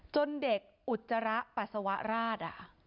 จนเด็กอุจจระปัสวรรษ